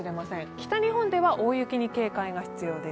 北日本では大雪に警戒が必要です。